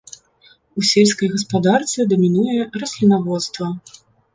У сельскай гаспадарцы дамінуе раслінаводства.